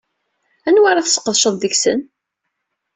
Anwa ara tesqedceḍ deg-sen?